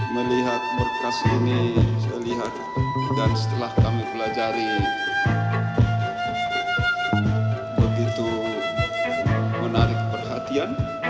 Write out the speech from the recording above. melihat berkas ini saya lihat dan setelah kami pelajari begitu menarik perhatian